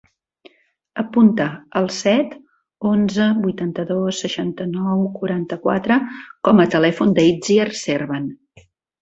Apunta el set, onze, vuitanta-dos, seixanta-nou, quaranta-quatre com a telèfon de l'Itziar Serban.